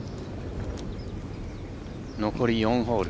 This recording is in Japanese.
残り４ホール。